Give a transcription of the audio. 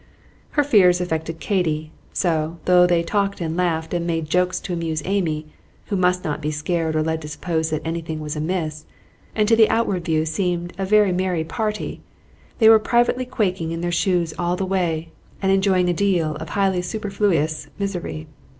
Her fears affected Katy; so, though they talked and laughed, and made jokes to amuse Amy, who must not be scared or led to suppose that anything was amiss, and to the outward view seemed a very merry party, they were privately quaking in their shoes all the way, and enjoying a deal of highly superfluous misery.